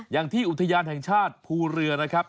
อย่างที่อุทยานแห่งชาติภูเรือนะครับ